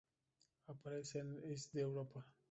Aparece en el S. de Europa.